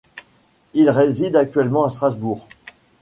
Il réside actuellement à Strasbourg.